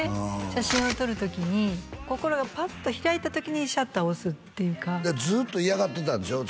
写真を撮る時に心がパッと開いた時にシャッターを押すっていうかずっと嫌がってたんでしょ？